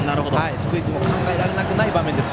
スクイズも考えられなくない場面です。